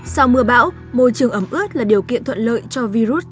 sau mưa bão môi trường ấm ướt là điều kiện thuận lợi cho virus